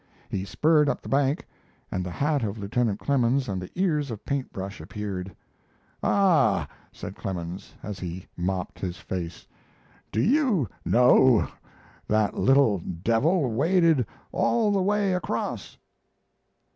He spurred up the bank, and the hat of Lieutenant Clemens and the ears of Paint Brush appeared. "Ah," said Clemens, as he mopped his face, "do you know that little devil waded all the way across?"